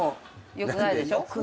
よくないでしょ。